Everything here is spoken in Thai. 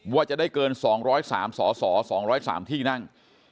ว่าจะได้เกิน๒๐๓สส๒๐๓ที่นั่ง